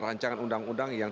rancangan undang undang yang